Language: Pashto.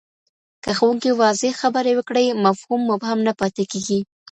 که ښوونکی واضح خبري وکړي، مفهوم مبهم نه پاتې کېږي.